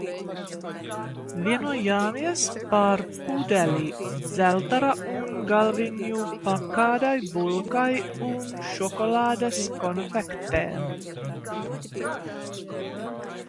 Vienojāmies par pudeli Zeltera uz galviņu pa kādai bulkai un šokolādes konfektēm.